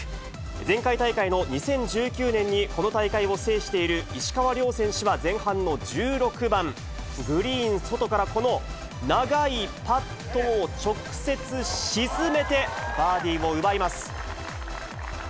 前回大会の２０１９年にこの大会を制している石川遼選手は前半の１６番、グリーン外からこの長いパットを直接沈めて、バーディーを奪います。